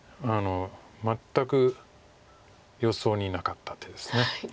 全く予想になかった手です。